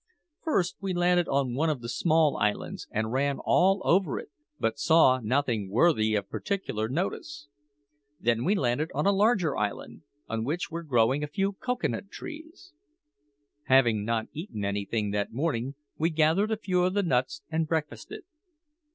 First we landed on one of the small islands and ran all over it, but saw nothing worthy of particular notice. Then we landed on a larger island, on which were growing a few cocoa nut trees. Not having eaten anything that morning, we gathered a few of the nuts and breakfasted.